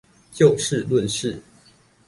就事論事